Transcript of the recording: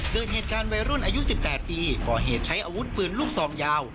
เกิดเหตุการณ์วัยรุ่นอายุ๑๘ปีก่อเหตุใช้อาวุธปืนลูกซองยาว